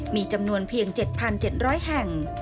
มีจำนวนเพียง๗๗๐๐แห่ง